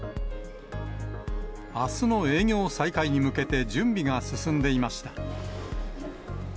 あすの営業再開に向けて、準備が進んでいました。